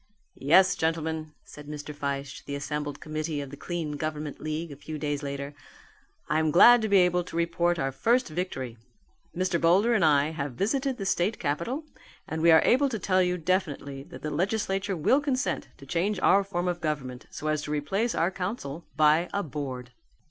"Yes, gentlemen," said Mr. Fyshe to the assembled committee of the Clean Government League a few days later, "I am glad to be able to report our first victory. Mr. Boulder and I have visited the state capital and we are able to tell you definitely that the legislature will consent to change our form of government so as to replace our council by a Board."